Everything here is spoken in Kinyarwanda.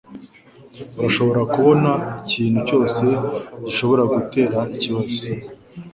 Urashobora kubona ikintu cyose gishobora gutera ikibazo